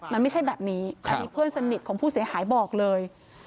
มันไม่ใช่แบบนี้อันนี้เพื่อนสนิทของผู้เสียหายบอกเลย